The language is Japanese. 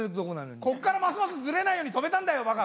こっからますますズレないように止めたんだよバカ！